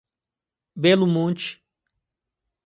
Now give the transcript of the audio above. Belo Monte